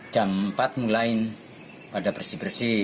jam empat mulai pada bersih bersih